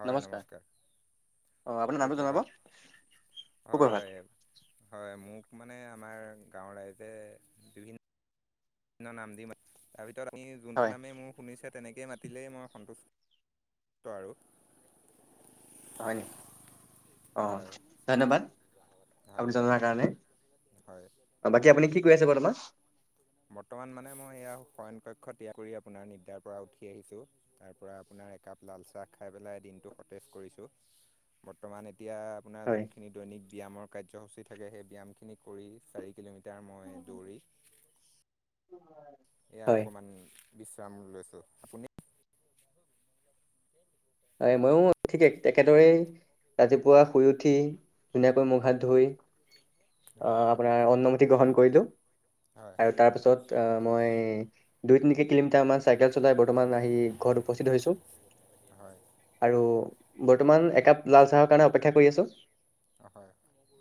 হয়, নমস্কাৰ। অ আপোনাৰ নামটো জনাব সুপ্ৰভাত। সুপ্ৰভাত হয়। হয়। মোক মানে আমাৰ গাঁৱৰ ৰাইজে বিভিন ন নাম দি [unintelligible] [unintelligible] আমি যোনটো হয় নামেই মোক শুনিছে, তেনেকেই মাতিলেই মই সন্তু-ত আৰু। হয় নি? অ, হয় ধন্যবাদ। হয় আপুনি হয় জনোৱাৰ কাৰণে। হয় অ বাকী আপুনি কি কৰি আছে বৰ্তমান? বৰ্তমান মানে মই এয়া শয়ন কক্ষ ত্যাগ কৰি আপোনাৰ নিদ্ৰাৰ পৰা উঠি আহিছোঁ। তাৰ পৰা আপোনাৰ একাপ লাল চাহ খাই পেলাই দিনটো সতেজ কৰিছোঁ। বৰ্তমান এতিয়া আপোনা হয় যোনখিনি দৈনিক ব্যায়ামৰ কাৰ্যসূচী থাকে। সেই ব্যায়ামখিনি কৰি শাৰীক কিলোমিটাৰ মই দৌৰি এয়া হয় অকণমান বিশ্ৰাম লৈছো আপুনি মইও ঠিক এক একেদৰে ৰাতিপুৱা শুই উঠি ধুনীয়াকৈ মুখ হাত ধুই হয় আহ হয় আপোনাৰ অন্ন মুঠি গ্ৰহণ কৰিলো হয় আৰু হয় তাৰ পিছত আহ মই দুই তিনিকে কিলোমিটাৰ আমাৰ চাইকেল চলাই বৰ্তমান আহি ঘৰত উপস্থিত হৈছো হয় আৰু বৰ্তমান একাপ লাল চাহৰ কাৰণে অপেক্ষা কৰি আছোঁ হয়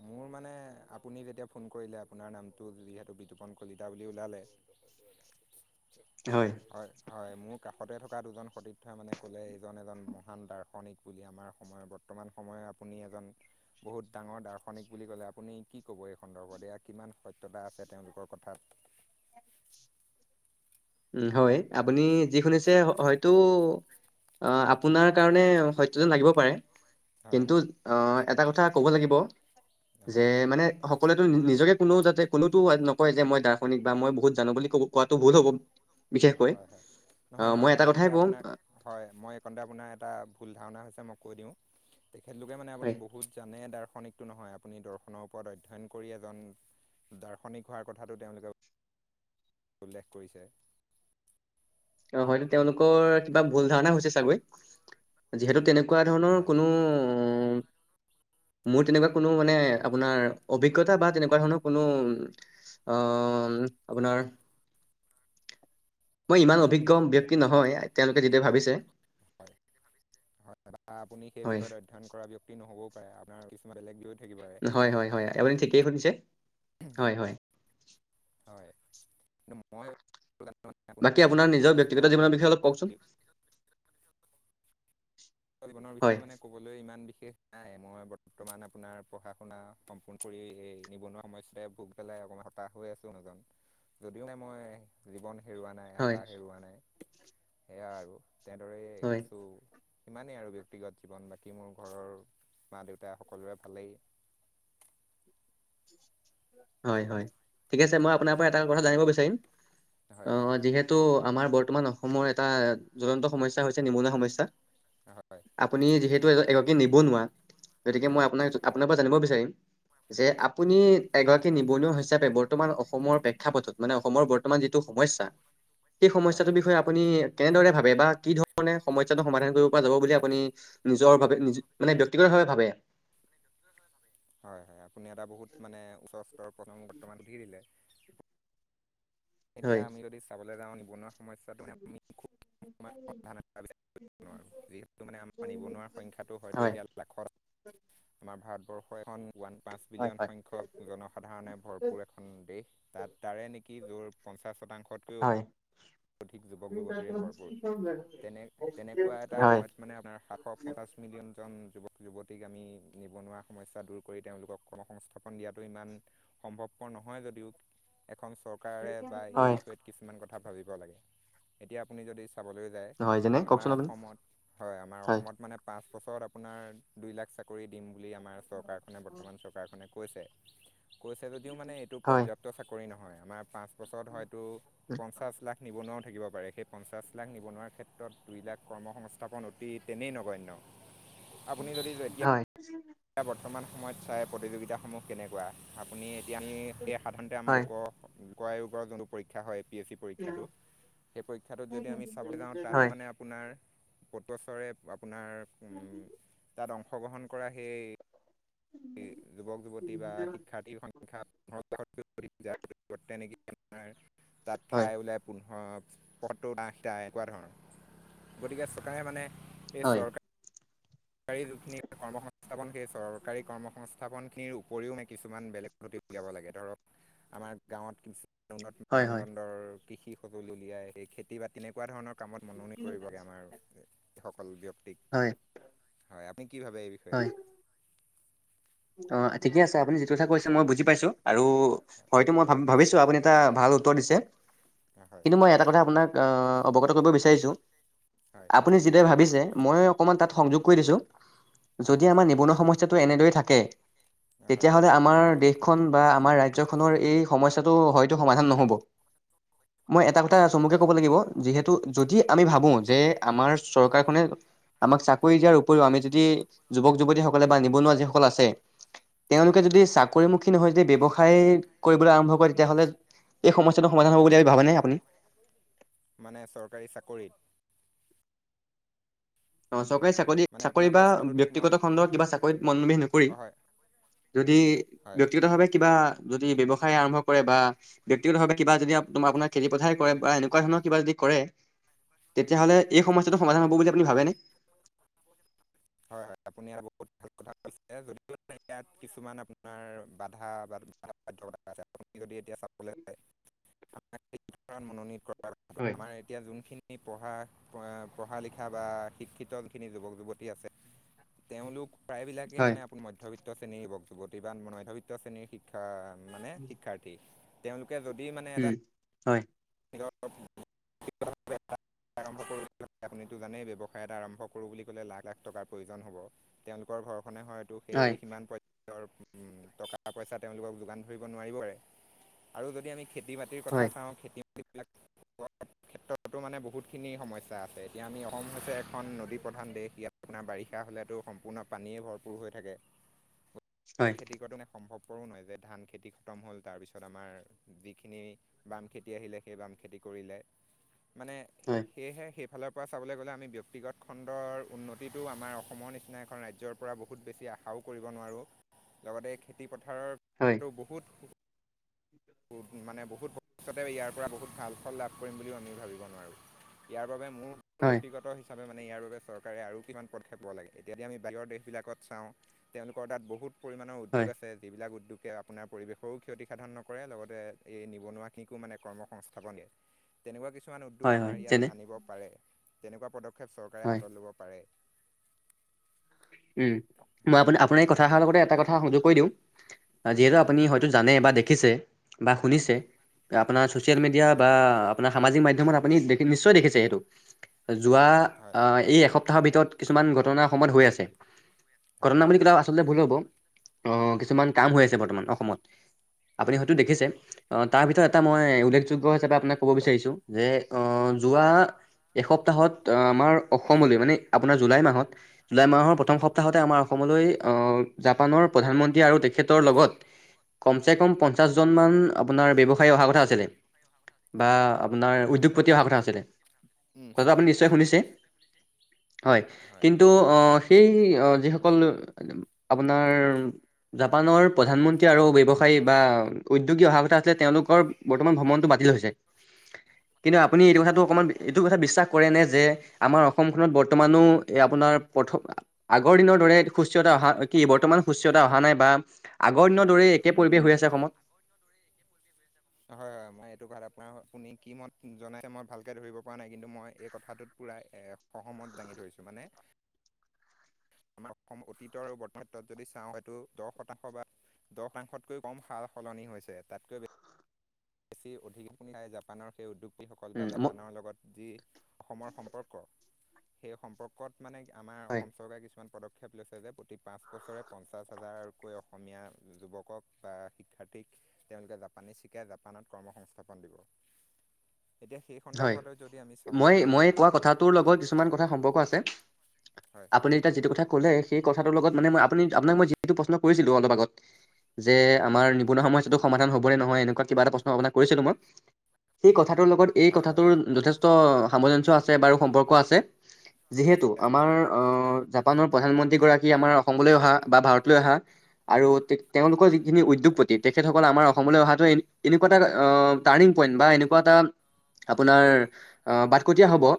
মোৰ মানে আপুনি যেতিয়া ফোন কৰিলে আপোনাৰ নামটো যিহেতু বিতুপন কলিতা বুলি ওলালে হয় হয় হয় মোৰ কাষতে থকা দুজন সতীৰ্থই মানে ক'লে এইজন এজন মহান দাৰ্শনিক বুলি আমাৰ সময়ত বৰ বৰ্তমান সময় আপুনি এজন বহুত ডাঙৰ দাৰ্শনিক বুলি ক'লে আপুনি কি ক'ব এই সন্দৰ্ভত এয়া কিমান সত্যতা আছে তেওঁলোকৰ কথাত উম হয় আপুনি যি শুনিছে হ হয়তো অ আপোনাৰ কাৰণে সত্য যেন লাগিব পাৰে হয় কিন্তু হয় অ এটা কথা ক'ব লাগিব যে হয় মানে হওক সকলোৱেতো‌ নি নিজকে কোনো যাতে কোনোতো নকয় যে মই দাৰ্শনিক বা মই বহুত জানো বুলি কো কোৱাটো ভুল হ'ব বিশেষকৈ হয় হয় নহয় আহ মই নহয় এটা কথাই তেওঁলোকে ক'ম আপোনাক আহ, হয় মই এইকণতে আপোনাৰ এটা ভুল ধাৰণা হৈছে মই কৈ দিওঁ তেখেতলোকে মানে হয় আপুনি বহুত জানে দাৰ্শনিকটো নহয় আপুনি দৰ্শনৰ ওপৰত অধ্যয়ন কৰি এজন দাৰ্শনিক হোৱাৰ কথাটো তেওঁলোকে উল্লেখ কৰিছে অ হয়তো তেওঁলোকৰ কিবা ভুল ধাৰণা হৈছে চাগৈ যিহেতু তেনেকুৱা ধৰণৰ হয় কোনো উ মোৰ তেনেকুৱা কোনো মানে আপোনাৰ অভিজ্ঞতা বা তেনেকুৱা ধৰণৰ কোনো অ আপোনাৰ মই ইমান মানে অভিজ্ঞ আপোনাৰ ব্যক্তি নহয় হয় তেওঁলোকে যিটো ভাবিছে হয় বা আপুনি সেই হয় বিষয়ত অধ্যয়ন কৰা ব্যক্তি নহ'বও পাৰে আপোনাৰ কিছুমান বেলেগ ব্য হয় হয় হয় আপুনি ঠিকেই শুনিছে হয় হয় হয়, কিন্তু মই [unintelligible] বাকী এজন আপোনাৰ নিজৰ ব্যক্তিগত সমাজকৰ্মী জীৱনৰ বিষয়ে ব্যক্তি অলপ কওকচোন বুলি জীৱনৰ হয় বিষয়ে মানে ক'বলৈ ইমান বিশেষ নাই মই বৰ্তমান আপোনাৰ পঢ়া-শুনা সম্পূৰ্ণ কৰি এই নিবনুৱা সমস্যাই লৈ পেলাই অকণমান হতাশ হৈ আছোঁ নিজক যদিও মানে মই জীৱন হেৰুৱা নাই হয়, আশা হেৰুৱা নাই সেয়া আৰু তেনেদৰেই হয়, আছোঁ। সিমানেই আৰু ব্যক্তিগত জীৱন বাকী মোৰ ঘৰৰ মা -দেউতা সকলোৰে ভালেই হয় হয় ঠিক আছে হয় মই হয় আপোনাৰ পৰা এটা কথা জানিব বিচাৰিম অ হয় যিহেত তু আমাৰ বৰ্তমান অসমৰ এটা জ্বলন্ত সমস্যা হৈছে নিবনুৱা সমস্যা হয় আপুনি যিহেতু এ এগৰাকী নিবনুৱা গতিকে হয় মই আপোনাক আপোনাৰ পৰা জানিব বিচাৰিম যে আপুনি এগৰাকী হয় নিবনুৱা হিচাপে বৰ্তমান অসমৰ প্ৰেক্ষাপটত মানে অসমৰ বৰ্তমান যিটো সমস্যা সেই হয় সমস্যাটোৰ বিষয়ে আপুনি কেনেদৰে ভাবে বা কি ধৰণে সমস্যাটো সমাধান কৰিব পৰা যাব বুলি আপুনি নিজৰ ভাৱে নিজ মানে ব্যক্তিগতভাৱে ভাবে হয় হয় আপুনি এটা বহুত মানে উচ্চ স্তৰৰ প্ৰশ্ন বৰ্তমান সুধি দিলে এতিয়া হয় আমি যদি চাবলৈ যাওঁ নিবনুৱা সমস্যাটো মানে আমি [unintelligible] যিহেতু মানে আমাৰ নিবনুৱা সংখ্যাটো হয়তো হয় এতিয়া লাখত আমাৰ ভাৰতবৰ্ষ, এখন ওৱান পাঁচ হয় বিলিয়ন হয় সংখ্যক জনসাধাৰণে ভৰপূৰ এখন দেশ। তাত তাৰে নেকি য'ৰ পঞ্চাছ শতাংশতকৈ হয়। অধিক যুৱক -যুৱতীৰে ভৰপূৰ তেনে তেনেকুৱা এটা হয় সময়ত মানে আপোনাৰ সাতশ পঞ্চাছ এক মিলিয়নজন যুৱক -যুৱতীক আমি নিবনুৱা সমস্যা দূৰ কৰি তেওঁলোকক কৰ্ম সংস্থাপন দিয়াটো ইমান সম্ভৱপৰ নহয়। যদিও এখন চৰকাৰে বা এই হয় বিষয়ত কিছুমান কথা ভাবিব লাগে। এতিয়া আপুনি যদি চাবলৈ যায় হয় যেনে আমাৰ কওকচোন আপুনি অসমত হয় আমাৰ অসমত মানে পাঁচ, বছৰত আপোনাৰ দুই লাখ, চাকৰি দিম বুলি আমাৰ চৰকাৰখনে বৰ্তমান চৰকাৰখনে কৈছে। কৈছে যদিও মানে এইটো হয় পৰ্যাপ্ত চাকৰি নহয় আমাৰ পাঁচ বছৰত হয়তো পঞ্চাছ লাখ। কোনেও থাকিব পাৰে সেই পঞ্চাছ, লাখ নিবনুৱাৰ ক্ষেত্ৰত দুই লাখ, কৰ্ম সংংস্থাপন অতি তেনেই নগণ্য। আপুনি যদি যেতিয়া। হয়। এতিয়া বৰ্তমান সময়ত চাই প্ৰতিযোগিতাসমূহ কেনেকুৱা। আপুনি এতিয়া আমি সেই সাধাৰণতে আমাৰ হয় লোক লোক আয়োগৰ যোনটো পৰীক্ষা হয়। পি, এছ, চি, পৰীক্ষাটো সেই পৰীক্ষাটোত যদি আমি চাবলৈ যাওঁ হয় তাত মানে আপোনাৰ পটচৰে আপোনাৰ তাত অংশগ্ৰহণ কৰা সেই যুৱক যুৱতী বা শিক্ষাৰ্থীৰ সংখ্যা পোন্ধৰ লাখ যাৰ পৰিবৰ্তে আমাৰ তাত হয় ঠাই ওলাই পোন্ধৰ পথটো ডাতাই এনেকুৱা ধৰণৰ গতিকে চৰকাৰে মানে এই হয় চৰকাৰে। চৰকাৰী, যিখিনি কৰ্ম সংস্থাপন সেই চৰকাৰী কৰ্মসংস্থাপন। উত্থাপনখিনিৰ উপৰিও নেকি কিছুমান বেলেগ পদ্ধতি উলিয়াব লাগে ধৰক আমাৰ গাঁৱত। কিছু উন্নত হয় হয় মানদণ্ডৰ, কৃষি, সঁজুলি উলিয়াই সেই খেতি বা তেনেকুৱা ধৰণৰ কামত মননি কৰিবগে আমাৰ যিসকল ব্যক্তিক। হয় হয় আপনি কি ভাবে এৰি হয় অ ঠিকে আছে। আপুনি যিটো কথা কৈছে মই বুজি পাইছো আৰু হয়তো মই ভাব ভাবিছো আপুনি এটা ভাল উত্তৰ দিছে হয় কিন্তু মই এটা কথা আপোনাক অৱগত কৰিব বিচাৰিছোঁ। হয়। আপুনি যিদৰে ভাবিছে মই অকণমান তাত সংযোগ কৰি দিছোঁ হয় যদি আমাৰ নিবনুৱা সমস্যাটো এনেদৰে থাকে। থাকে হয় হয় তেতিয়া হ'লে আমাৰ দেশখন বা আমাৰ ৰাজ্যখনৰ, এই সমস্যাটো হয়তো সমাধান নহ'ব। মই এটা কথা চমুকে হয় ক'ব লাগিব যিহেতু যদি আমি ভাবো যে আমাৰ চৰকাৰখনে। আমাক চাকৰি, দিয়াৰ উপৰিও আমি যদি যুৱক- যুৱতীসকলে বা নিবনুৱা, যিসকল আছে। হয় তেওঁলোকে যদি চাকৰিমুখী, নহয় যদি ব্যৱসায় কৰিবলৈ আৰম্ভ কৰে তেতিয়াহ'লে এই সমস্যটো সমাধান হ'ব বুলি ভাবেনে আপুনি। মানে চৰকাৰী চাকৰিত, অ চৰকাৰী চাকৰি মানে চাকৰি আপোনাৰ বা প্ৰশ্নটো ঠিক মই ব্যক্তিগত খণ্ডৰ কিবা চাকৰিত মনমোবিহ নকৰি। হয় যদি হয় হয় ব্যক্তিগত ভাৱে কিবা। যদি ব্যয়ৱসায় আৰম্ভ কৰে। বা ব্যক্তিগতভাৱে কিবা যদি তোমাৰ আপোনাৰ খেতি- পথাৰ কৰে। বা এনেকুৱা ধৰণৰ কিবা যদি কৰে তেতিয়াহলে এই সমস্যাটো হয় সমাধান হ'ব বুলি আপুনি ভাবেনে। হয় হয় আপুনি ইয়াত বহুত ভাল কথা কৈছে যদিও ইয়াত কিছুমান আপোনাৰ বাধা বাধকতা। আপুনি যদি এতিয়া চাবলৈ মনোনীত [unintelligible] হয় আমাৰ এতিয়া যোনখিনি পঢ়া পঢ়া লিখা বা শিক্ষিত যোনখিনি যুৱক যুৱতী আছে তেওঁলোক প্ৰায়বিলাকেই হয়। মানে আপুনি মধ্যবিত্ত শ্ৰেণীৰ যুৱক যুৱতী বা মধ্যবিত্ত শ্ৰেণীৰ শিক্ষা শিক্ষা মানে শিক্ষাৰ্থী তেওঁলোকে যদি মানে উম, এটা হয় আৰম্ভ কৰো [unintelligible] আপুনিতো জানেই ব্যৱসায় এটা আৰম্ভ কৰো বুলি ক'লে লাখ লাখ টকাৰ প্ৰয়োজন হ'ব তেওঁলোকৰ ঘৰখনে হয়তো সেই হয়, সিমান পৰ্যায় তেওঁৰ উম টকা পইচা তেওঁলোকক যোগান ধৰিব নোৱাৰিব পাৰে আৰু যদি আমি খেতি বাতিৰ হয়, কথা চাওঁ খেতি এইবিলাক ক্ষেত্ৰতো মানে বহুতখিনি সমস্যা আছে এতিয়া আমি অসম হৈছে এখন নদী প্ৰধান দেশ ইয়াত আপোনাৰ বাৰিষা হ'লেতো সম্পূৰ্ণ পানীয়ে ভৰপূৰ হৈ থাকে হয়, খেতি কতো নে সম্ভৱপৰো নহয় যে ধান খেতি খতম হ'ল তাৰপিছত আমাৰ যিখিনি বাম খেতি আহিলে সেই বাম খেতি কৰিলে মানে হয় সেয়েহে সেইফালৰ পৰা চাবলৈ গ'লে আমি ব্যক্তিগত খণ্ডৰ উন্নতিটো আমাৰ অসমৰ নিচিনা এখন ৰাজ্যৰ পৰা বহুত বেছি আশাও কৰিব নোৱাৰোঁ লগতে খেতি হয়, পথাৰতো বহুত মানে বহুত ভৱিষ্যতে ইয়াৰ পৰা বহুত ভাল ফল লাভ কৰিম বুলিও আমি ভাবিব নোৱাৰোঁ ইয়াৰ বাবে মোৰ হয়, ব্যক্তিগত হৈছে হিচাপে মানে ইয়াৰ বাবে চৰকাৰে আৰু কিমান পদক্ষেপ লব লাগে এতিয়া আমি বাহিৰৰ দেশবিলাকত চাওঁ তেওঁলোকৰ তাত বহুত পৰিমাণৰ উদ্যোগ হয়, আছে যিবিলাক উদ্যোগে আপোনাৰ পৰিৱেশৰো ক্ষতিসাধন নকৰে কৰে লগতে এই নিবনুৱা কিকো মানে কৰ্ম সংস্থাপন দিয়ে তেনেকুৱা কিছুমান উদ্যোগ হয়, হয়, আমাৰ যেনে ইয়াত আনিব পাৰে তেনেকুৱা পদক্ষেপ পদক্ষেপ চৰকাৰে হয়, হাতত ল'ব পাৰে উম মই আপুনি এই হয় কথাষাৰ লগতে এটা কথা সুযোগ কৰি দিওঁ হয় যিহেতু আপুনি হয়তো জানে বা দেখিছে বা শুনিছে আপোনাৰ ছ'চিয়েল মিডিয়া বা হয় আপোনাৰ সামাজিক মাধ্যমত আপুনি নিশ্চয় দেখিছে সেইটো যোৱা হয় আহ এই এসপ্তাহ সপ্তাহৰ ভিতৰত কিছুমান ঘটনা অসমত হৈ আছে হয় হয় ঘটনা বুলি হয় কলেও আচলতে ভুল হ'ব অহ কিছুমান কাম হৈ আছে বৰ্তমান অসমত হয় আপুনি হয় হয়তো দেখিছে অহ তাৰ ভিতৰত এটা মই উল্লেখযোগ্য হিচাপে মই আপোনাক ক'ব বিচাৰিছোঁ যে অহ যোৱা এসপ্তাহত আমাৰ অসমলৈ মানে আপোনাৰ জুলাই মাহত জুলাই মাহৰ হয় প্ৰথম সপ্তাহতে আমাৰ অসমলৈ জাপানৰ প্ৰধানমন্ত্ৰী আৰু তেখেতৰ লগত কম চে হয় কম পঞ্চাশ জন মান আপোনাৰ ব্যৱসায়ী অহা কথা আছিলে বা হয় আপোনাৰ উদ্যোগপতি অহা কথা আছিলে কথাটো আপুনি নিশ্চয় শুনিছে হয় কিন্তু অহ সেই অহ যিসকল আপোনাৰ জাপানৰ প্ৰধানমন্ত্ৰী আৰু ব্যৱসায়ী বা উদ্যোগী অহা কথা আছিলে তেওঁলোকৰ বৰ্তমান ভ্ৰমণটো বাতিল হৈছে কিন্তু আপুনি এইটো হয় কথাটো অকণমান এইটো কথা বিশ্বাস কৰেনে যে আমাৰ অসমখনত বৰ্তমানো এই আপোনাৰ প্ৰথম আগৰ দিনৰ দৰে সুস্থতা অহা কি বৰ্তমান সুস্থতা অহা নাই বা আগৰ দিনৰ দৰেই একে পৰিৱেশ হৈ আছে অসমত হয় হয় মই এইটো কথাত আপোনাৰ আপুনি কি মত জনাইছে মই ভালকে ধৰিব পৰা নাই কিন্তু মই এই কথাটোত পুৰা এসহমত দাঙি ধৰিছোঁ মানে আমাৰ অসম অতীতৰ আৰু বৰ্তমানত যদি চাওঁ হয়টো দহ শতাংশ বা দহ তাংশতকৈ কম সাল সলনি হৈছে। তাতকৈ বে বেছি অধিক [unintelligible] জাপানৰ সেই উদ্যোগীসকল বা উম ম জাপানৰ লগত যি অসমৰ সম্পৰ্ক, সেই সম্পৰ্কত মানে আমাৰ হয় অসম চৰকাৰে কিছুমান পদ ক্ষেপ লৈছে যে, প্ৰতি পাঁচ বছৰে পঞ্চাছ হাজাৰকৈ অসমীয়া যুৱকক বা শিক্ষাৰ্থীক তেওঁলোকে জাপানীজ শিকাই জাপানত কৰ্মসংস্থাপন দিব। এতিয়া সেই সন্দৰ্ভলৈ যদি আমি চাবলৈ যাওঁ, জাপা তোৰ লগত কিছুমান কথা সম্পৰ্ক আছে। হয়। আপুনি এতিয়া যিটো কথা ক'লে, সেই কথাটোৰ লগত মানে মই আপুনি আপোনাক মই যিটো প্ৰশ্ন কৰিছিলোঁ অলপ আগত যে, আমাৰ নিবনুৱা সমস্যাটো সমাধান হ'ব নে নহয় এনেকুৱা কিবা এটা প্ৰশ্ন আপোনাক কৰিছিলো মই। সেই কথাটোৰ লগত এই হয় হয় কথাটোৰ যথেষ্ট সামঞ্জস্য আছে বাৰু সম্পৰ্ক আছে। যিহেতু, আছে আছে আমাৰ হয় অ', জা পানৰ প্ৰধানমন্ত্ৰীগৰাকী আমাৰ অসমলৈ অহা, বা ভাৰতলৈ অহা আৰু তে-তেওঁলোকৰ যি যিখিনি উদ্যোগপতি, তেখেতসকল আমাৰ অসমলৈ অহাটো এনে, এনেকুৱা এটা অ', টাৰণিং পইণ্ট বা এনেকুৱা এটা আপোনাৰ, বাটকটীয়া হ'ব।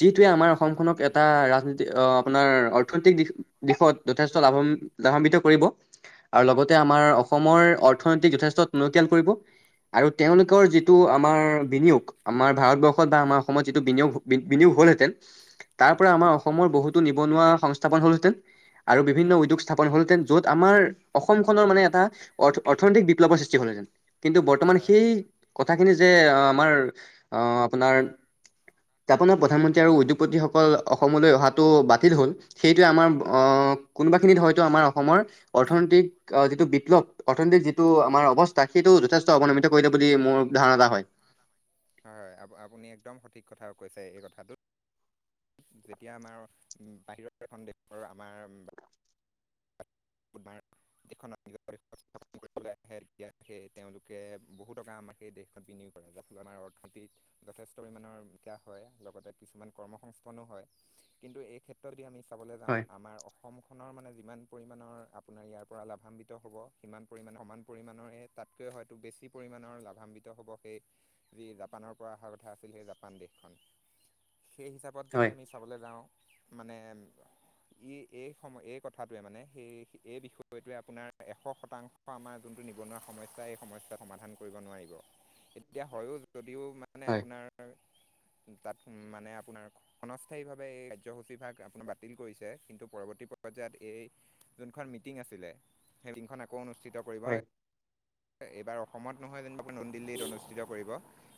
যিটোৱে আমাৰ অসমখনক এটা ৰাজনীতি অ', আপোনাৰ অৰ্থনৈতিক দিশ দিশত যথেষ্ট লাভম লাভান্বিত কৰিব আৰু লগতে আমাৰ অসমৰ হয় অৰ্থনৈতিক যথেষ্ট টনকিয়াল কৰিব, আৰু হয় তেওঁলোকৰ যিটো আমাৰ বিনিয়োগ আমাৰ ভাৰতবৰ্ষত বা আমাৰ অসমত যিটো বিনিয়োগ বি বিনিয়োগ হলহেঁতেন তাৰ হয় পৰা আমাৰ অসমৰ বহুতো নিবনুৱা সংস্থাপন হ'লহেঁতেন, আৰু হয় বিভিন্ন হয় উদ্যোগ স্থাপন হ'ল হেঁতেন, য'ত আমাৰ অসমখনৰ মানে এটা অৰ্থ অৰ্থনৈতিক বিপ্লৱৰ সৃষ্টি হলহেঁতেন। কিন্তু বৰ্তমান হয় সেই কথাখিনি যে, আমাৰ অ', আপোনাৰ জাপানৰ প্ৰধানমন্ত্ৰী আৰু উদ্যোগপতিসকল অসমলৈ অহাটো বাতিল হ'ল। সেইটোৱে আমাৰ হয় হয় অ', কোনোবাখিনিত হয়তো আমাৰ অসমৰ অৰ্থনৈতিক যিটো বিপ্লৱ অৰ্থনৈতিক যিটো হয় আমাৰ অৱস্থা সেইটো যথেষ্ট অৱনমিত কৰিলে বুলি মোৰ ধাৰণা এটা হয়। হয়, হয়। আপু আপুনি একদম সঠিক কথাও কৈছে এই কথাটোত। যেতিয়া আমাৰ বাহিৰৰ এখন দেশৰ আমাৰ [unintelligible] [unintelligible] আহে, তেতিয়া সেই তেওঁলোকে বহু টকা আমাৰ সেই দেশ বিনিয়োগ কৰে, যাৰ ফলত আমাৰ অৰ্থনীতিত যথেষ্ট পৰিমাণৰ বিকাশ হয়, লগতে কিছুমান কৰ্মসংস্পনো হয়, কিন্তু এই ক্ষেত তত, আমি চাবলৈ যাওঁ হয় আমাৰ অসমখনৰ মানে যিমান পৰি পৰিমাণৰ আপোনাৰ ইয়াৰ পৰা লাভান্বিত হ'ব, সিমান পৰিমাণে সমান পৰিমাণৰে তাতকৈ হয়তো বেছি পৰিমাণৰ লাভান্বিত হ'ব সেই, যি জাপানৰ পৰা অহাৰ কথা আছিল সেই জাপান দেশখন। সেই হিচা পত যদি হয় আমি চাবলৈ যাওঁ, মানে, ই এই সময় এই কথাটোৱে মানে সেই এই বিষয়টোৱে আপোনাৰ, এশ শতাংশ আমাৰ যোনটো নিবনুৱা সমস্যা এই সমস্যা সমাধান কৰিব নোৱাৰিব। এতিয়া হয়ো যদিও মানে হয় আপোনাৰ তাত মানে আপোনাৰ ক্ষনস্থায়ী ভাৱে এই কাৰ্যসূচী ভাগ আপোনাৰ বাতিল কৰিছে, কিন্তু পৰৱৰ্তী পৰ্যায়ত এই যোনখন মিটিং আছিলে, সেই মিটিংখন আকৌ অনুষ্ঠিত কৰিব। এইবাৰ অসমত নহয় যেনিবা নতুন দিল্লীত অনুষ্ঠিত কৰিব।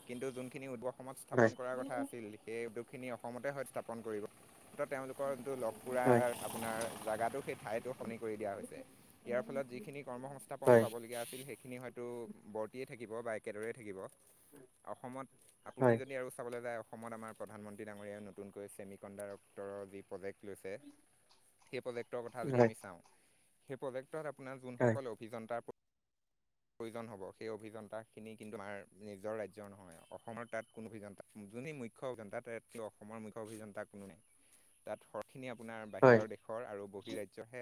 কিন্তু যোনখিনি উদবহ অসমত স্থাপন হয় কৰাৰ কথা আছিল। সেই উদ্যোগখিনি অসমতে হয় স্থাপন কৰিব। ত' তেওঁলোকৰ যিটো লগ হয় পুৰাৰ আপোনাৰ জাগাটো সেই ঠাইতো সলনি কৰি দিয়া হৈছে। ইয়াৰ ফলত যিখিনি কৰ্ম সংস্থাপন হয় পাবলগীয়া আছিল সেইখিন সেইখিনিনি হয়তো বৰ্টেয়ে থাকিব বা একেদৰেই থাকিব। অসমত আপুনি হয় যদি আৰু চাবলৈ যায় অসমত আমাৰ প্ৰধানমন্ত্ৰী ডাঙৰীয়াই নতুনকৈ ছেমি কণ্ডাক্টৰৰ যি প্ৰজেক্ট লৈছে। সেই প্ৰজেক্টৰ কথা যদি হয় আমি চাওঁ, সেই প্ৰজেক্টত আপোনাৰ হয় যোনসকলে অভিযন্তাৰ প্ৰয়োজন হ'ব, সেই অভিযন্তাখিনি কিন্তু আমাৰ নিজৰ ৰাজ্যৰ নহয়। অসমৰ তাত কোনো অভিযন্তা, যোনি মুখ্য অভিযন্তা তেত অসমৰ মুখ্য অভিযন্তা কোনো নাই। [inaudible] তাত সৰহখিনি আপোনাৰ হয় বাহিৰৰ দেশৰ আৰু বহিঃৰাজ্যৰ হে